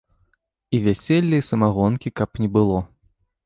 І вяселля і самагонкі каб не было.